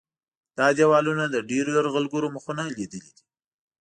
دا دیوالونه د ډېرو یرغلګرو مخونه لیدلي دي.